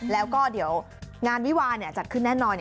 แล้วก็เดี๋ยวงานวิวาจัดขึ้นแน่นอน